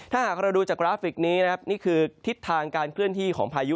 ถ้าหากเราดูจากกราฟิกนี้นะครับนี่คือทิศทางการเคลื่อนที่ของพายุ